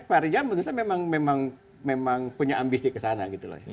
pak riza menurut saya memang punya ambisi ke sana gitu loh